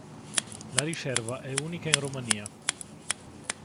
La riserva è unica in Romania.